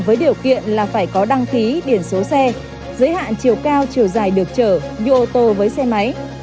với điều kiện là phải có đăng khí điển số xe giới hạn chiều cao chiều dài được chở dụ ô tô với xe máy